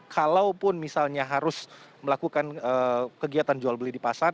kalaupun misalnya harus melakukan kegiatan jual beli di pasar